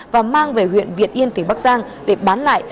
và mang về huyện việt yên tỉnh bắc giang để bán lại